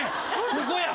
ここや。